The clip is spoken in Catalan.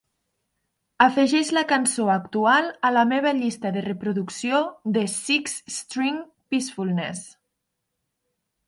afegeix la cançó actual a la meva llista de reproducció de Six string peacefulness